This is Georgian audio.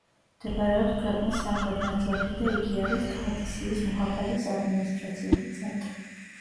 მდებარეობს ქვეყნის სამხრეთ ნაწილში და იგი არის ქადისიის მუჰაფაზის ადმინისტრაციული ცენტრი.